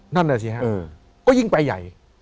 นั่นน่ะสิครับก็ยิ่งไปใหญ่